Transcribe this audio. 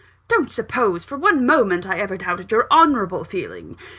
Don't suppose, for one moment, I ever doubted your honourable feeling.